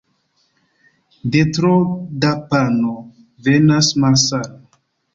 De tro da pano venas malsano.